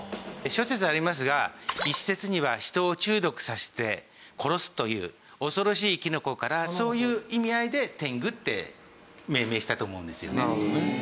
諸説ありますが一説には人を中毒させて殺すという恐ろしいキノコからそういう意味合いで「テング」って命名したと思うんですよね。